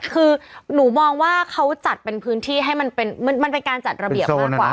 คือหนูมองว่าเขาจัดเป็นพื้นที่ให้มันเป็นการจัดระเบียบมากกว่า